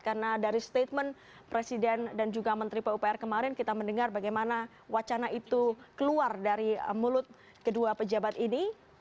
karena dari statement presiden dan juga menteri pupr kemarin kita mendengar bagaimana wacana itu keluar dari mulut kedua pejabat ini